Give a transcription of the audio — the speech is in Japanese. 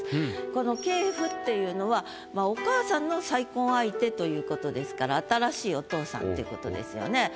この「継父」っていうのはまあということですから新しいお父さんっていうことですよね。